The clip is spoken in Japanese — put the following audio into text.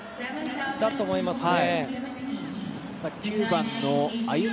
だと思いますね。